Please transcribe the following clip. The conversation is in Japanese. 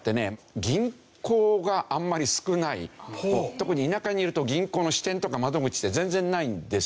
特に田舎にいると銀行の支店とか窓口って全然ないんですよ。